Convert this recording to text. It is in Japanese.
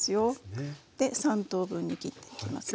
で３等分に切っていきますね。